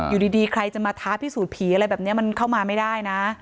อยู่ดีใครจะมาท้าพิสูจน์ผีอะไรแบบนี้มันเข้ามาไม่ได้นะ